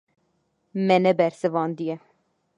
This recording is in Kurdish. Me nebersivandiye.